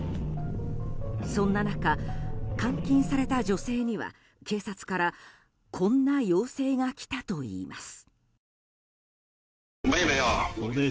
そんな中、監禁された女性には警察からこんな要請が来たといいます。